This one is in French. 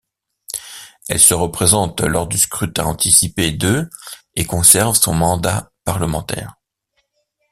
Elle se représente lors du scrutin anticipé de et conserve son mandat parlementaire.